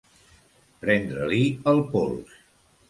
Prendre-li el pols.